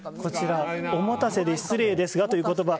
おもたせで失礼ですがという言葉。